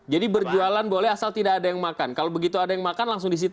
jadi semua masyarakat padang ini